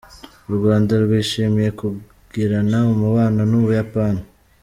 U Rwanda rwishimiye kugirana umubano n’u Buyapani.